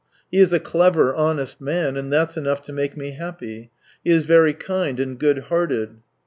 He is a clever, honest man, and that's enough to make me liappy. He is very kind and good hearted.